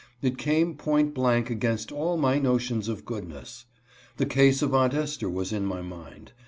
It came point blank against all my notions of goodness. The case of Aunt Esther was in my mind.